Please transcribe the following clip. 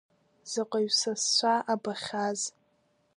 Заҟаҩ сасцәа абахьаз!